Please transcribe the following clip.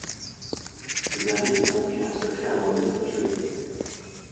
Ce dernier lui confie un secret avant d'être tué.